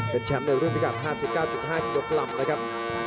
เป็นแชมป์ในร่วมพิกัด๕๙๕ยกลำเลยครับ